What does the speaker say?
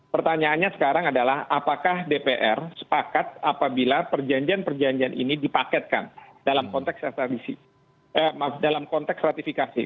pertanyaannya sekarang adalah apakah dpr sepakat apabila perjanjian perjanjian ini dipaketkan dalam konteks ratifikasi